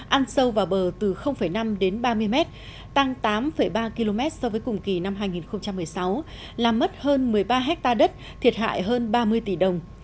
ăn sâu vào bờ từ năm đến ba mươi m tăng tám ba km so với cùng kỳ năm hai nghìn một mươi sáu làm mất hơn một mươi ba hectare đất thiệt hại hơn ba mươi tỷ đồng